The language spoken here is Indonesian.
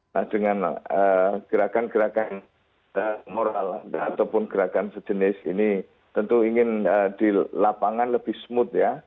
nah dengan gerakan gerakan moral ataupun gerakan sejenis ini tentu ingin di lapangan lebih smooth ya